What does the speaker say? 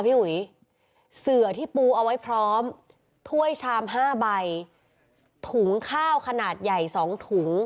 อุ๋ยเสือที่ปูเอาไว้พร้อมถ้วยชาม๕ใบถุงข้าวขนาดใหญ่สองถุง